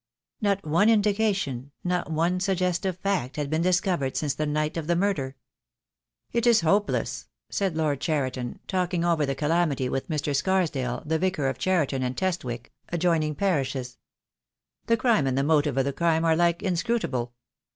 Not one indication, not one suggestive fact had been discovered since the night of the murder. "It is hopeless," said Lord Cheriton, talking over the calamity with Mr. Scarsdale, the Vicar of Cheriton and 204 THE DAY WILL COME. Testwick, adjoining parishes; "the crime and the motive of the crime are alike inscrutable.